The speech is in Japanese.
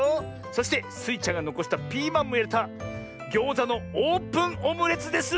そしてスイちゃんがのこしたピーマンもいれたギョーザのオープンオムレツです！